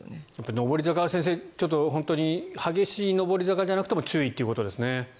上り坂は先生激しい上り坂じゃなくても注意ということですね。